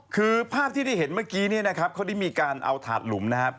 คือภาพที่ได้เห็นเมื่อกี้เนี่ยนะครับเขาได้มีการเอาถาดหลุมนะครับ